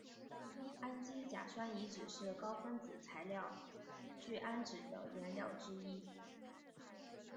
氨基甲酸乙酯是高分子材料聚氨酯的原料之一。